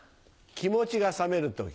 気持ちが冷める時。